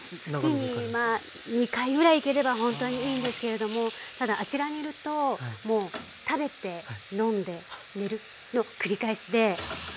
月に２回ぐらい行ければほんとにいいんですけれどもただあちらにいるともう食べて飲んで寝るの繰り返しで幸せです。